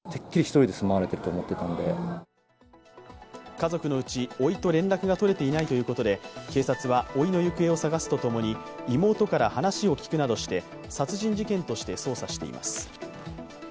家族のうち、おいと連絡が取れていないということで警察は、おいの行方を捜すとともに妹から話を聞くなどして、殺人事件として捜査しています。